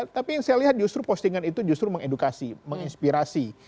tapi yang saya lihat justru postingan itu justru mengedukasi menginspirasi